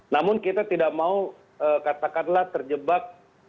namun kita tidak mau katakanlah terjebak